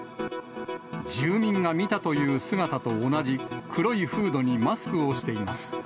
住民が見たという姿と同じ、黒いフードにマスクをしています。